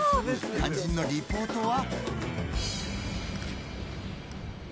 肝心のリポートは？